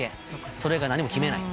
それ以外何も決めない。